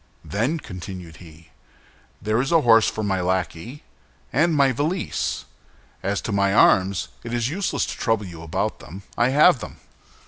"Then," continued he, "there is a horse for my lackey, and my valise. As to my arms, it is useless to trouble you about them; I have them."